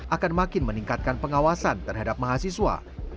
akan makin meningkatkan pengawasan terhadap mahasiswa